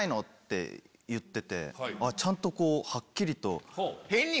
ちゃんとはっきりと。